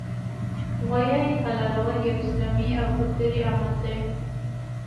غوايي حلالول یو اسلامي او کلتوري عمل دی